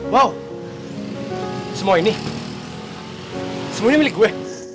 wow semua ini semuanya milik gue